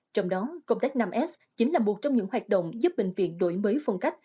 trong đó công tác năm s chính là một trong những hoạt động giúp bệnh viện đổi mới phong cách